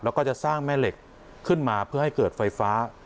แล้วก็จะสร้างแม่เหล็กขึ้นมาเพื่อให้เกิดไฟฟ้า